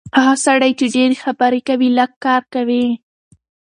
هغه سړی چې ډېرې خبرې کوي، لږ کار کوي.